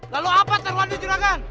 lalu apa taruhan di juragan